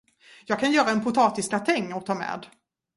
Jag kan göra en potatisgratäng och ta med.